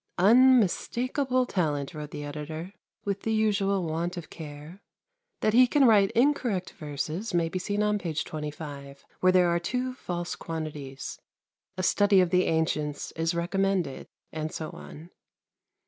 '"' Unmistakable talent,' wrote the editor, ' with the usual want of care ; that he can write incorrect verses may be seen on page 25, where there are two false quantities. A study of the Ancients is recommended, and so on!